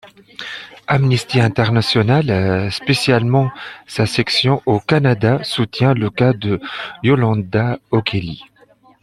Amnistie Internationale, spécialement sa section au Canada, soutient le cas de Yolanda Oquelí.